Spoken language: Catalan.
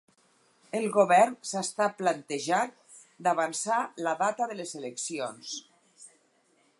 El govern s'està plantejant d'avançar la data de les eleccions